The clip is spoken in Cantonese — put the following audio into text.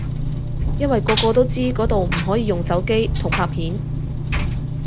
因為個個都知嗰度唔可以用手機同拍片